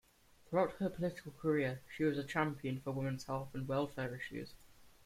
Throughout her political career, she was a champion for women's health and welfare issues.